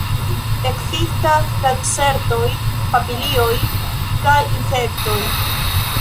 Ekzistas lacertoj, papilioj kaj insektoj.